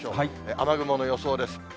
雨雲の予想です。